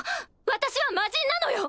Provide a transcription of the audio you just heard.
私は魔人なのよ！